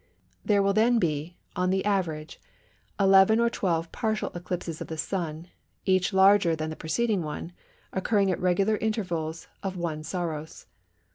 There will then be, on the average, 11 or 12 partial eclipses of the Sun, each larger than the preceding one, occurring at regular intervals of one Saros.